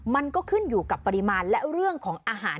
มันก็ขึ้นอยู่กับปริมาณและเรื่องของอาหาร